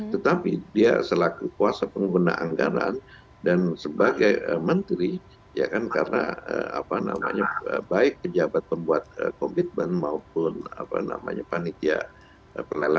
tetapi dia selaku kuasa pengguna anggaran dan sebagai menteri ya kan karena apa namanya baik pejabat pembuat komitmen maupun apa namanya panitia